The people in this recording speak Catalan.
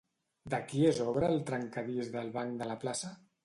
De qui és obra el trencadís del banc de la plaça?